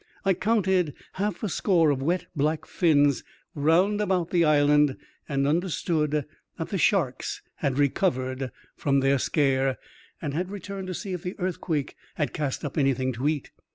I counted half a score of wet black fins round about the island, and understood that the sharks had recovered from their scare, and had returned to see if the earthquake had cast up anything to eat.